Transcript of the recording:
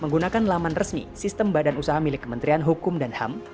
menggunakan laman resmi sistem badan usaha milik kementerian hukum dan ham